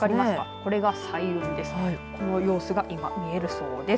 この様子が今、見えるそうです。